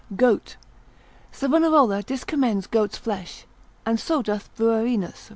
Goat.] Savanarola discommends goat's flesh, and so doth Bruerinus, l.